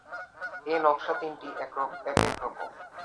এ নকশা তিনটি এক এক রকম।